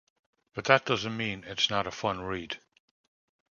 But that doesn't mean it's not a fun read.